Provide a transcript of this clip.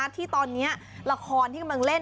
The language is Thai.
ที่ตอนนี้ละครที่กำลังเล่น